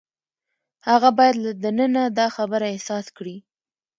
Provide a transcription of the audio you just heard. هغه باید له دننه دا خبره احساس کړي.